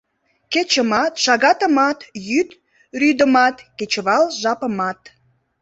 Кечымат, шагатымат, йӱд рӱдымат, кечывал жапымат...